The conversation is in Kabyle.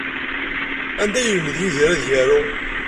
Anda ay yelmed Yidir ad yaru?